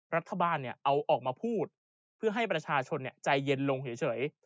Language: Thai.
รัฐบาลเอาออกมาพูดเพื่อให้ประชาชนใจเย็นลงเฉย